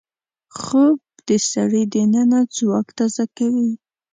خوب د سړي دننه ځواک تازه کوي